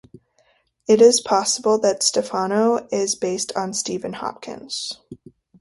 It is possible that Stephano is based on Stephen Hopkins.